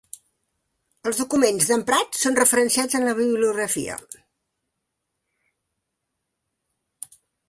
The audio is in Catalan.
Els documents emprats són referenciats en la bibliografia.